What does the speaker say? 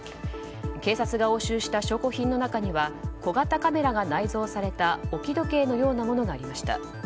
警察が押収した証拠品の中には小型カメラが内蔵された置き時計のようなものがありました。